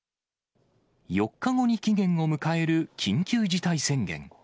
４日後に期限を迎える緊急事態宣言。